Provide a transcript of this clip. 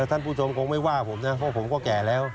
ท่านผู้ชมคงไม่ว่าผมนะเพราะผมก็แก่แล้ว